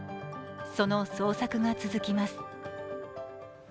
その捜索が続きます。